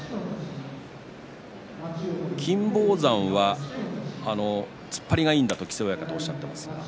金峰山は突っ張りがいいんだと木瀬親方はおっしゃっています。